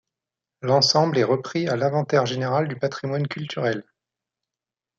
L'ensemble est repris à l'Inventaire général du patrimoine culturel.